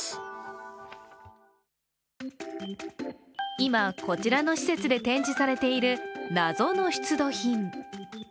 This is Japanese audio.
今、こちらの施設で展示されている謎の出土品。